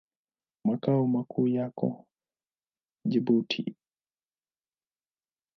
Makao makuu yake yako Jibuti.